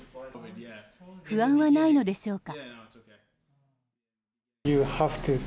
不安はないのでしょうか。